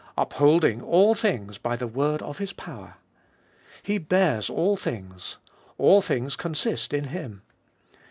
Upholding all things by the word of His power. He bears all things, " all things consist in Him."